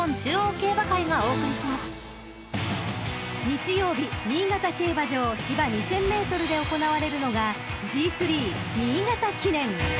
［日曜日新潟競馬場芝２，０００ｍで行われるのがＧⅢ新潟記念］